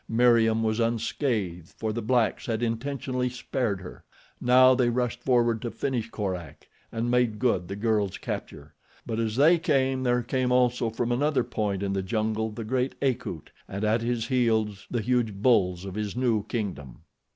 Meriem was unscathed for the blacks had intentionally spared her. Now they rushed forward to finish Korak and make good the girl's capture; but as they came there came also from another point in the jungle the great Akut and at his heels the huge bulls of his new kingdom.